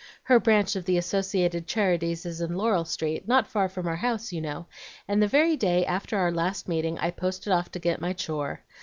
Her branch of the Associated Charities is in Laurel Street, not far from our house, you know; and the very day after our last meeting I posted off to get my 'chore.'